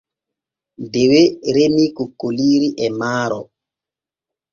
Dewe remii kokkoliiri e maaro.